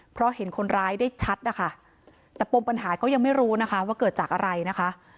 เพราะเห็นคนร้ายได้ชัดนะคะแต่ปมปัญหาก็ยังไม่รู้นะคะว่าเกิดจากอะไรนะคะ